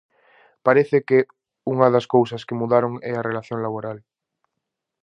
Parece que unha das cousas que mudaron é a relación laboral.